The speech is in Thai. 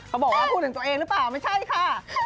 เขาบอกว่าพูดถึงตัวเองหรือเปล่าไม่ใช่ค่ะ